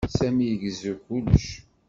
Sami igezzu kullec.